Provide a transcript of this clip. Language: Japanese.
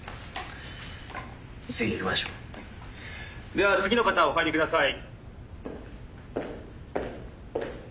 では次の方お入りください。